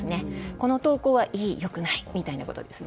この投稿はいい、良くないみたいなことですね。